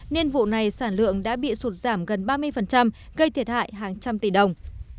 nên vụ này sản lượng đã bị sụt giảm gần ba mươi gây thiệt hại hàng trăm tỷ đồng